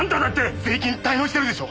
税金滞納してるでしょう？